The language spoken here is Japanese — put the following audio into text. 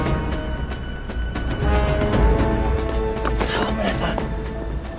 澤村さん！